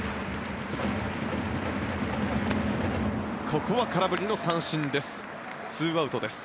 ここは空振りの三振です。